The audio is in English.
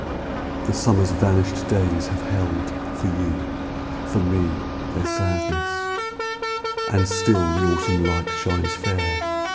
The summer's vanished days have held For you, for me, their sadness ; And still the autumn light shines fair.